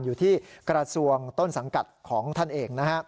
อยู่ที่กราศวงต้นสังกัดของท่านเอง